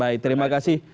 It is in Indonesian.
baik terima kasih